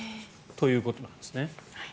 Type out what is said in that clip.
ということなんですね。